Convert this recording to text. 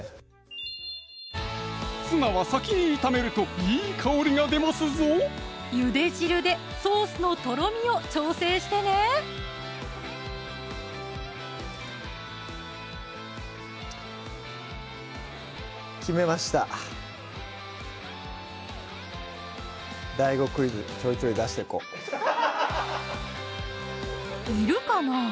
ツナは先に炒めるといい香りが出ますぞゆで汁でソースのとろみを調整してね決めましたいるかなぁ？